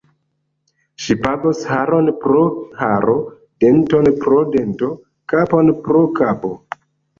Ŝi pagos haron pro haro, denton pro dento, kapon pro kapo.